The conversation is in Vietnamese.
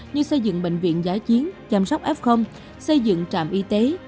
như xây dựng bệnh viện giá chiến chăm sóc f xây dựng trạm y tế